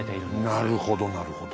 なるほどなるほど。